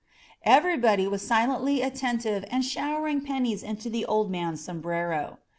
Everybody was silently attentive and show ered pennies into the old man's sombrero.